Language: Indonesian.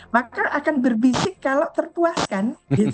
maka akan berbisik kalau tertuaskan